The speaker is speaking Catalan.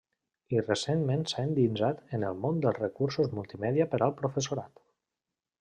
I recentment s'ha endinsat en el món dels recursos multimèdia per al professorat.